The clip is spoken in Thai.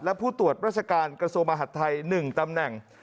และผู้ตรวจราชการกระทรวงมหาดไทย๑ตำแหน่ง